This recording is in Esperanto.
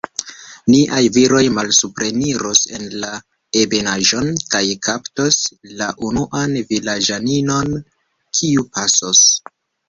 Niaj viroj malsupreniros en la ebenaĵon, kaj kaptos la unuan vilaĝaninon, kiu pasos.